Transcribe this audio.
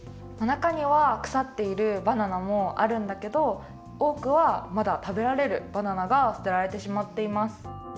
なかにはくさっているバナナもあるんだけどおおくはまだ食べられるバナナがすてられてしまっています。